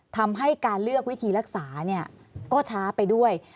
ทำให้การเลือกวิธีรักษาก็ช้าไปด้วย